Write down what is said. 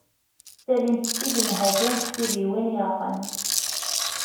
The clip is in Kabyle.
Ttalint-tt-id nnhati n tidiwin yerɣan.